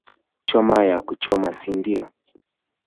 Choma ya kuchoma si ndio